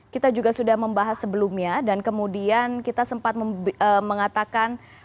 kita juga sudah membahas sebelumnya dan kemudian kita sempat mengatakan